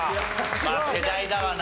まあ世代だわな。